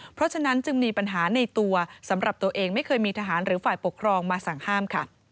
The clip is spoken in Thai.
เพราะฉะนั้นจึงมีปัญหาในตัวสำหรับตัวเองไม่เคยมีทหารหรือฝ่ายปกครองมาสั่งห้ามค่ะ